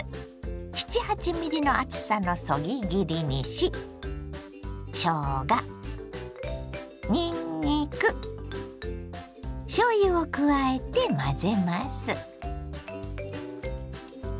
７８ｍｍの厚さのそぎ切りにししょうがにんにくしょうゆを加えて混ぜます。